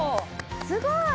すごい！